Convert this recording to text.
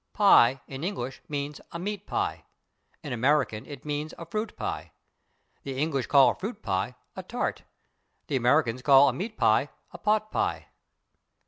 /Pie/, in English, means a meat pie; in American it means a fruit pie. The English call a fruit pie a /tart/; the Americans call a meat pie a /pot pie